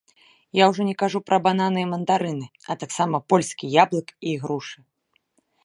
Я ўжо не кажу пра бананы і мандарыны, а таксама польскі яблык і ігрушы.